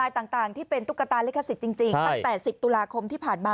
ต่างที่เป็นตุ๊กตาลิขสิทธิ์จริงตั้งแต่๑๐ตุลาคมที่ผ่านมา